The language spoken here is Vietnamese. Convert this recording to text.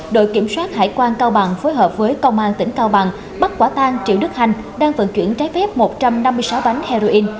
đội kiểm soát hải quan cao bằng phối hợp với công an tỉnh cao bằng bắt quả tang triệu đức hanh đang vận chuyển trái phép một trăm năm mươi sáu bánh heroin